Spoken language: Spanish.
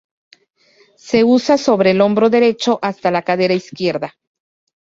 Se usa sobre el hombro derecho hasta la cadera izquierda.